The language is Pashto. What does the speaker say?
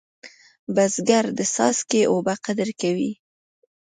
بزګر د څاڅکي اوبه قدر کوي